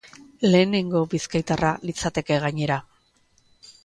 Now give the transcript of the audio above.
Lehenengo bizkaitarra litzateke, gainera.